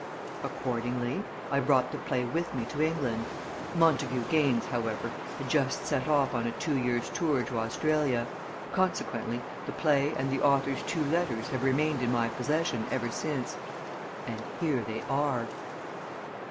Accordingly, I brought the play with me to England. Montagu Gaines, however, had just set off on a two years' tour to Australia consequently, the play and the author's two letters have remained in my possession ever since. And here they are!"